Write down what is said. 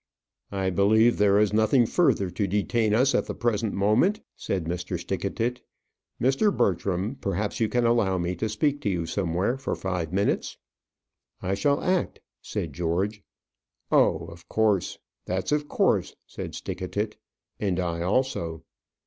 "I believe there is nothing further to detain us at the present moment," said Mr. Stickatit. "Mr. Bertram, perhaps you can allow me to speak to you somewhere for five minutes?" "I shall act," said George. "Oh, of course. That's of course," said Stickatit. "And I also."